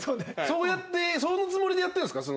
そうやってそのつもりでやってるんですか？